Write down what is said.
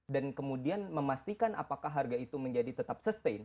dan kemudian memastikan apakah harga itu tetap sustain